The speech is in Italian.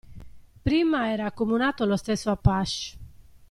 Prima era accomunato allo stesso Apache.